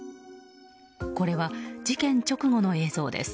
これは事件直後の映像です。